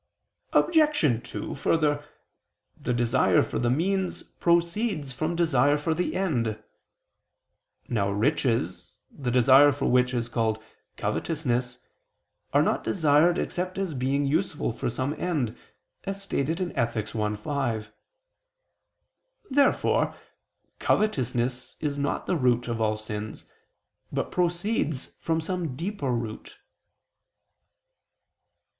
Obj. 2: Further, the desire for the means proceeds from desire for the end. Now riches, the desire for which is called covetousness, are not desired except as being useful for some end, as stated in Ethic. i, 5. Therefore covetousness is not the root of all sins, but proceeds from some deeper root.